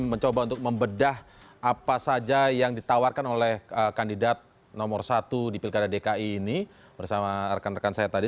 mencoba untuk membedah apa saja yang ditawarkan oleh kandidat nomor satu di pilkada dki ini bersama rekan rekan saya tadi